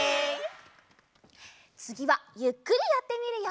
つぎはゆっくりやってみるよ！